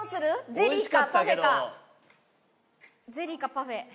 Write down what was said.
ゼリーかパフェ。